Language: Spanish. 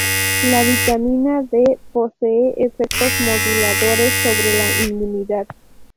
La vitamina D posee efectos moduladores sobre la inmunidad.